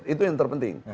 itu yang terpenting